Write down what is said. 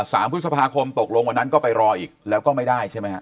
สามพฤษภาคมตกลงวันนั้นก็ไปรออีกแล้วก็ไม่ได้ใช่ไหมฮะ